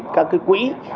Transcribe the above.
các cái quỹ